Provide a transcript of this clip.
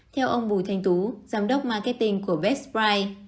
theo ông bùi thanh tú giám đốc marketing của best buy